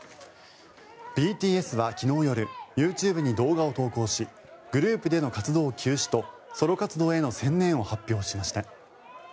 ＢＴＳは昨日夜ＹｏｕＴｕｂｅに動画を投稿しグループでの活動休止とソロ活動への専念を発表しました。